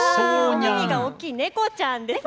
耳が大きい猫ちゃんです。